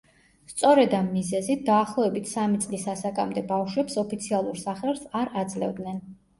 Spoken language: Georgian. სწორედ ამ მიზეზით, დაახლოებით სამი წლის ასაკამდე ბავშვებს ოფიციალურ სახელს არ აძლევდნენ.